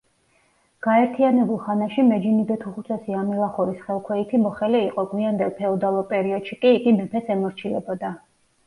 გაერთიანებულ ხანაში მეჯინიბეთუხუცესი ამილახორის ხელქვეითი მოხელე იყო, გვიანდელ ფეოდალურ პერიოდში კი იგი მეფეს ემორჩილებოდა.